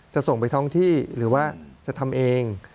ส่งไปท้องที่หรือว่าจะทำเอง